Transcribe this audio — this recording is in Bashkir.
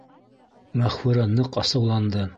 Мәғфүрә ныҡ асыуланды: